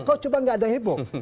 kok cuma nggak ada heboh